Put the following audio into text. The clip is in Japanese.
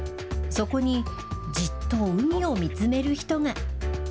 そこにじっと海を見つめる人が。